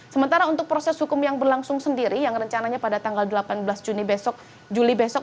sementara untuk proses hukum yang berlangsung sendiri yang rencananya pada tanggal delapan belas juni besok